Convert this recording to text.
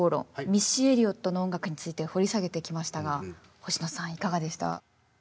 ミッシー・エリオットの音楽について掘り下げてきましたが星野さんいかがでした？